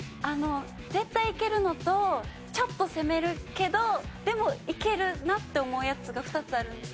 絶対いけるのとちょっと攻めるけどでもいけるなって思うやつが２つあるんです。